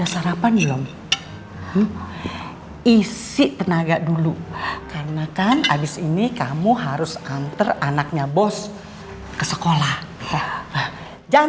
sarapan belum isi tenaga dulu karena kan abis ini kamu harus antar anaknya bos ke sekolah ya jangan